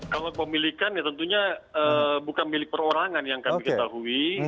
kalau pemilikan ya tentunya bukan milik perorangan yang kami ketahui